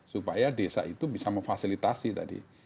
supaya desa itu bisa memfasilitasi tadi